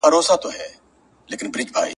که خدای فارغ کړاست له مُلایانو ..